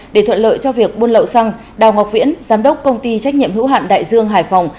để thuận lợi cho việc buôn lậu xăng đào ngọc viễn giám đốc công ty trách nhiệm hữu hạn đại dương hải phòng